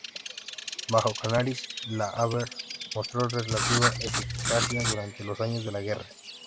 Bajo Canaris, la Abwehr mostró relativa eficacia durante los años de la guerra.